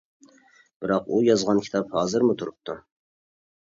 بىراق ئۇ يازغان كىتاب ھازىرمۇ تۇرۇپتۇ.